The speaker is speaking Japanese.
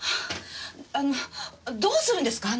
あのどうするんですか？